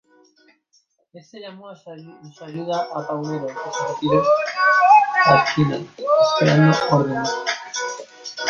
Este llamó en su ayuda a Paunero, que se retiró a Esquina, esperando órdenes.